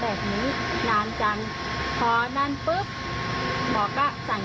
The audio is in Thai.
มดลูกมันจะแห้งหรือไม่แห้ง